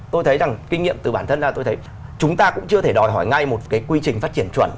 tôi thấy rằng kinh nghiệm từ bản thân ra tôi thấy chúng ta cũng chưa thể đòi hỏi ngay một cái quy trình phát triển chuẩn